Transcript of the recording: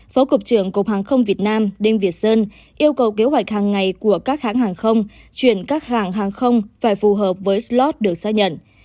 phó cục trưởng cục hàng không việt nam đêm việt sơn yêu cầu kế hoạch hàng ngày của các hãng hàng không chuyển các hàng hàng không phải phù hợp với slot được xác nhận